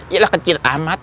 yelah kecil amat